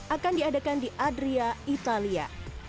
akan diadakan di adria italia